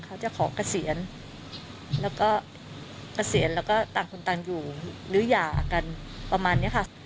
เขาจะขอเกษียณแล้วก็เกษียณแล้วก็ต่างคนต่างอยู่หรือหย่ากันประมาณนี้ค่ะ